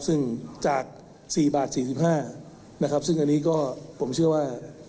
ซึ่งจาก๔บาท๔๕นะครับซึ่งอันนี้ก็ผมเชื่อว่า